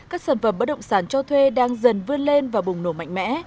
các sản phẩm bất động sản cho thuê đang dần vươn lên và bùng nổ mạnh mẽ